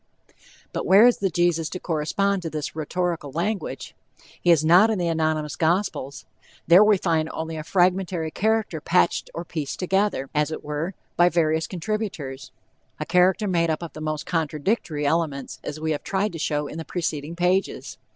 But where is the Jesus to correspond to this rhetorical language? He is not in the anonymous gospels. There we find only a fragmentary character patched or pieced together, as it were, by various contributors a character made up of the most contradictory elements, as we have tried to show in the preceding pages.